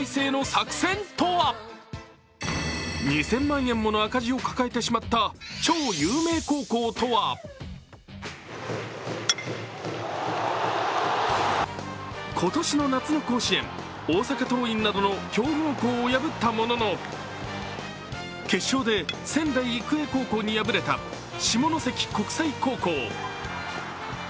２０００万円もの赤字を抱えてしまった超有名高校とは今年の夏の甲子園、大阪桐蔭などの強豪校を破ったものの決勝で仙台育英高校に敗れた下関国際高校。